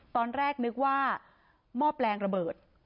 ตอนแรกนึกว่ามอบแรงระเบิด